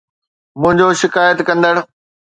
منهنجو شڪايت ڪندڙ